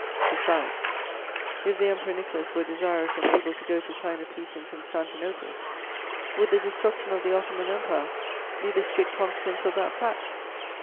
"Besides, if the Emperor Nicholas were desirous and able to go to sign a peace in Constantinople, would the destruction of the Ottoman Empire be the strict consequence of that fact?